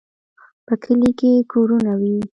په کلي کې کورونه وي.